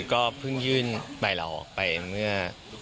ก็เพิ่งยื่นใบเราออกไปเมื่อ